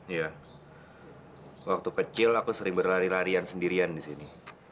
iya waktu kecil aku sering berlari larian sendirian di sini